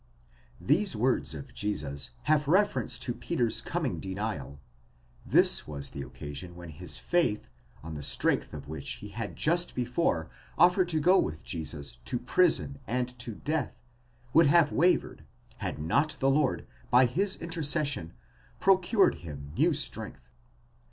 These words of Jesus have reference to Peter's coming denial ; this was the occasion when his faith, on the strength of which he had just before offered to go with Jesus to prison and to death, would have wavered, had not the Lord by his intercession, procured him new strength.